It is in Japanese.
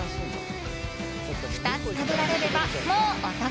２つ食べられれば、もうお得。